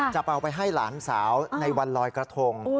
จะเอาไปให้หลานสาวในวันลอยกระทง